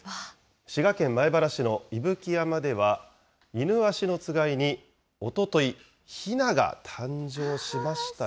滋賀県米原市の伊吹山では、イヌワシのつがいにおととい、ヒナが誕生しましたよ。